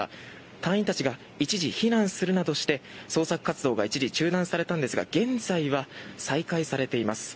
隊員たちが一時避難するなどして捜索活動が一時、中断されたんですが現在は再開されています。